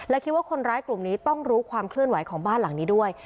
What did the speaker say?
และคิดว่าคนร้ายกลุ่มนี้ต้องรู้ความเคลื่อนไหวของบ้านหลังนี้ด้วย